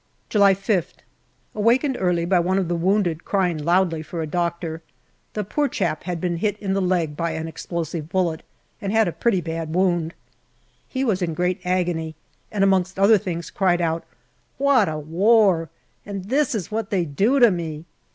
July 5th. Awakened early by one of the wounded crying loudly for a doctor. The poor chap had been hit in the leg by JULY 161 an explosive bullet and had a pretty bad wound. He was in great agcny, and amongst other things cried out, " What a war ; and this is what they do to me